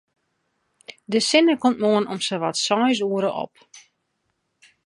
De sinne komt moarn om sawat seis oere op.